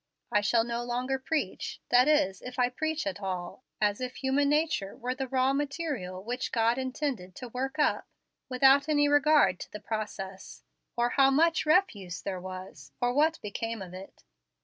I shall no longer preach, that is, if I preach at all, as if human nature were the raw material which God intended to work up without any regard to the process, or how much refuse there was, or what became of it.